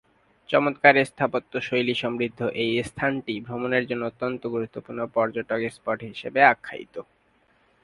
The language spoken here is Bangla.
চমৎকার স্থাপত্যশৈলী সমৃদ্ধ এই স্থানটি ভ্রমণের জন্য অত্যন্ত গুরুত্বপূর্ণ পর্যটন স্পট হিসেবে আখ্যায়িত।